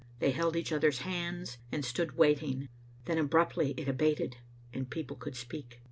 They held each other's hands and stood waiting. Then abruptly it abated, and people could speak.